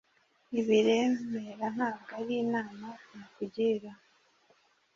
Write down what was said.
ibiremera ntabwo ari inama nakugira